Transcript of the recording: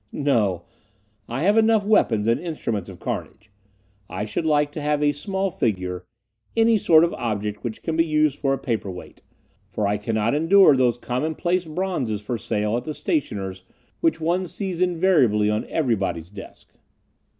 "No, I have enough weapons and instruments of carnage; I should like to have a small figure, any sort of object which can be used for a paper weight; for I cannot endure those commonplace bronzes for sale at the stationers which one sees invariably on everybody's desk."